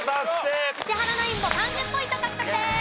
石原ナインも３０ポイント獲得です。